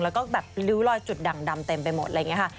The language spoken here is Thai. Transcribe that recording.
แล้วก็แบบริ้วรอยจุดดั่งดำเต็มไปหมดอะไรอย่างนี้ค่ะ